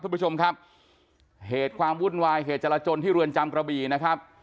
คุณผู้ชมครับเหตุความวุ่นวายเหตุจรจนที่เรือนจำกระบี่นะครับ